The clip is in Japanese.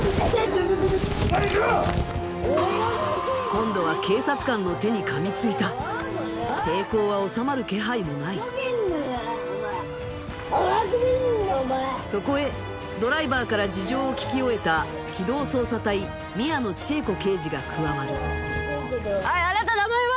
今度は警察官の手に噛みついた抵抗はおさまる気配もないそこへドライバーから事情を聴き終えた機動捜査隊宮野千恵子